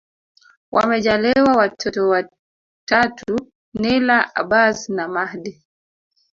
Wamejaliwa watoto watatu Nyla Abbas na Mahdi